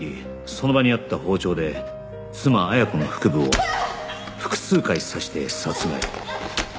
その場にあった包丁で妻綾子の腹部を複数回刺して殺害